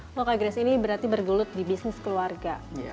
kalau kak grace ini berarti bergulut di bisnis keluarga